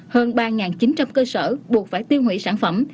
hơn ba chín trăm linh cơ sở buộc phải tiêu hủy sản phẩm